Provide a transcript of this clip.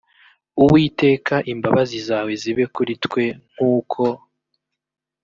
uwiteka imbabazi zawe zibe kuri twe nk uko